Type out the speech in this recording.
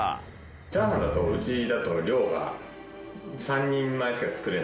チャーハンだとうちだと量が３人前しか作れないので。